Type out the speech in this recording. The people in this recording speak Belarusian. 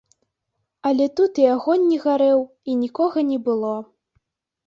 Але тут і агонь не гарэў, і нікога не было.